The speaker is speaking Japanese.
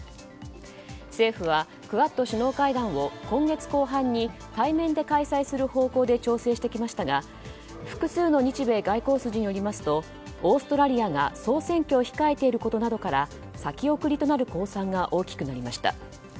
政府は、クアッド首脳会談を今月後半に対面で開催する方向で調整してきましたが複数の日米外交筋によりますとオーストラリアが総選挙を控えていることなどから先送りとなる公算が大きくなりました。